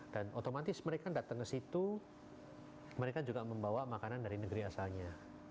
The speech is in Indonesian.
dan otomatis mereka datang ke situ mereka juga membawa makanan dari negeri asalnya